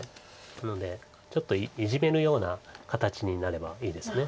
なのでちょっとイジメるような形になればいいですね。